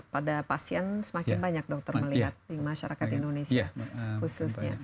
pada pasien semakin banyak dokter melihat masyarakat indonesia khususnya